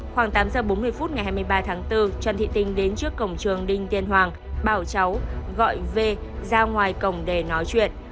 khoảng tám giờ bốn mươi phút ngày hai mươi ba tháng bốn trần thị tình đến trước cổng trường đinh tiên hoàng bảo cháu gọi v ra ngoài cổng để nói chuyện